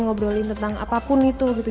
ngobrolin tentang apapun itu gitu